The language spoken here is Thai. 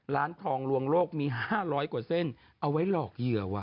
ร้านทองลวงโลกมี๕๐๐กว่าเส้นเอาไว้หลอกเหยื่อว่